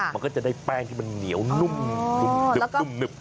มันก็จะได้แป้งที่มันเหนียวนุ่ม